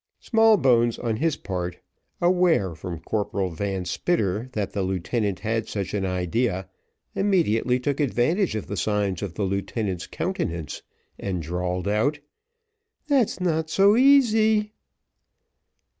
Smallbones, on his part, aware from Corporal Van Spitter, that the lieutenant had such an idea, immediately took advantage of the signs in the lieutenant's countenance, and drawled out, "That's not so easy!"